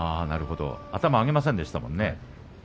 頭を上げませんでしたもんね。